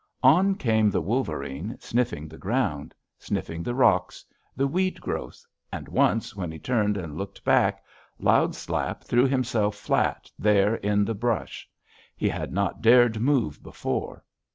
"On came the wolverine, sniffing the ground; sniffing the rocks; the weed growths; and once, when he turned and looked back, Loud Slap threw himself flat there in the brush; he had not dared move before.